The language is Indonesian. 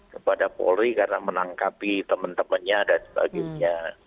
kepada polri karena menangkapi teman temannya dan sebagainya